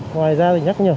ngoài ra thì nhắc nhở